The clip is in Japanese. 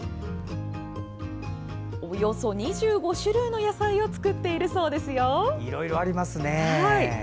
およそ２５種類の野菜を作っているそうですよ。